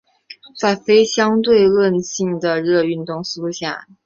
在非相对论性的热运动速度下。